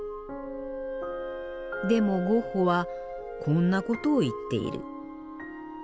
でもゴッホはこんなことを言っている。